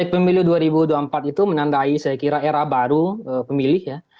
pemilu dua ribu dua puluh empat itu menandai saya kira era baru pemilih ya